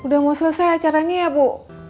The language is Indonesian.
udah mau selesai acaranya ya bu